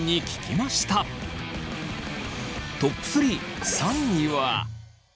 トップ３３位は。